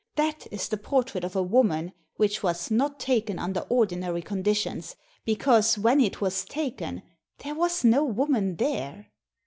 That is the portrait of a woman, which was not taken under ordinary conditions, because, when it was taken, there was no woman there.